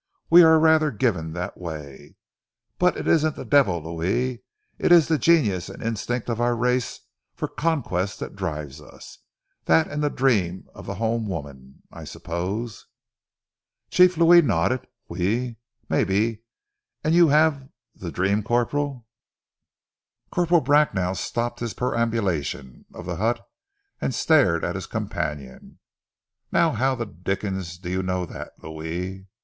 We are rather given that way. But it isn't the devil, Louis, it is the genius and instinct of our race for conquest that drives us that and the dream of the home woman, I suppose." Chief Louis nodded. "Oui! maybe; and you haf' ze dream corp'ral." Corporal Bracknell stopped his perambulation of the hut, and stared at his companion. "Now how the dickens do you know that, Louis?"